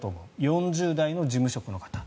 ４０代の事務職の方。